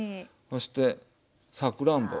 そしてさくらんぼ。